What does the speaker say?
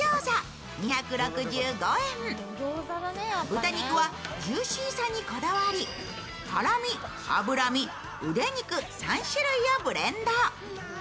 豚肉はジューシーさにこだわり、ハラミ、脂身、腕肉、３種類をブレンド。